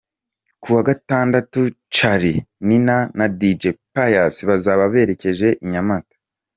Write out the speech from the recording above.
Kuwa Gatandatu Charly& Nina na Dj Pius bazaba berekeje i Nyamata .